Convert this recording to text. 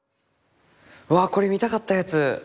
わこれ見たかったやつ！